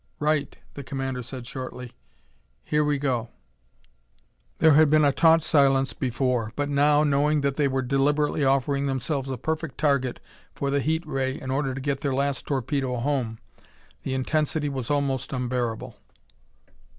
"Right," the commander said shortly. "Here we go." There had been a taut silence before, but now, knowing that they were deliberately offering themselves a perfect target for the heat ray in order to get their last torpedo home, the intensity was almost unbearable.